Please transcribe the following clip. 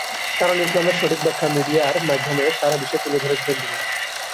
কারণ ইসলামের সঠিক ব্যাখ্যা মিডিয়ার মাধ্যমে সারা বিশ্বে তুলে ধরেছিলেন তিনি।